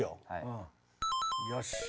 うん。よし！